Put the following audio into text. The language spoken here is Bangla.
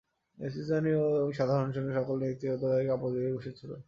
নেতৃস্থানীয় এবং সাধারণ সৈন্য সকলেই ব্যক্তিগত কাপড় গায়ে জড়িয়ে বসে ছিল।